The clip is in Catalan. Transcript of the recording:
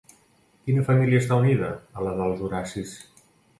Quina família està unida a la dels Horacis?